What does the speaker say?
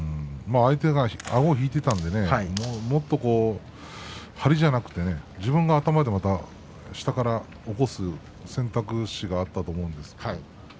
相手が、あごを引いていたのでねもっと張りじゃなくて自分が頭で下から起こす選択肢があったと思うんですが。